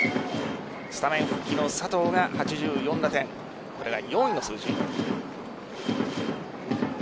スタメン復帰の佐藤が８４打点これが４位の数字。